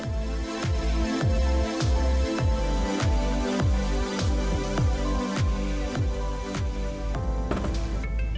kami akan berada di kapal ini